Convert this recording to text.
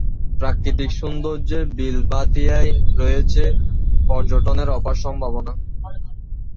প্রাকৃতিক সৌন্দর্যের বিলভাতিয়ায় রয়েছে পর্যটনের অপার সম্ভাবনা।